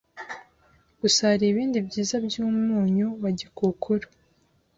Gusa hari ibindi byiza by’umunyu wa gikukuru